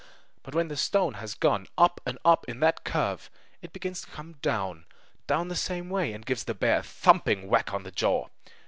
But when the stone has gone up and up in that curve, it begins to come down, down, the same way and gives the bear a thumping whack on the jaw.